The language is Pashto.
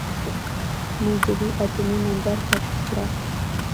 موزلي اتومي نمبر کشف کړه.